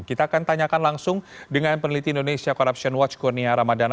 kita akan tanyakan langsung dengan peneliti indonesia corruption watch kurnia ramadana